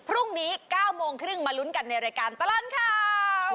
พรุ่งนี้๙โมงครึ่งมาลุ้นกันในรายการตลอดข่าว